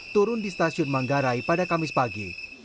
turun di stasiun manggarai pada kamis pagi